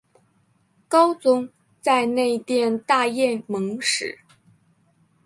高宗在内殿大宴蒙使。